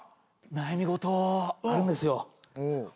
悩み事あるんですよ。